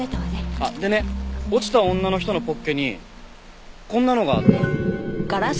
あっでね落ちた女の人のポッケにこんなのがあったよ。